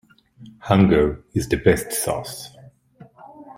Hunger is the best sauce.